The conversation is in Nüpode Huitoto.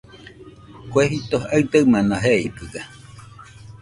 Kue jito aɨdaɨmana jeikɨga